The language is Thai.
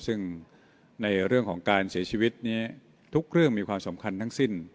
ซึ่งในเรื่องของการเสียชีวิตนี้ทุกเรื่องมีความสำคัญทั้งสิ้น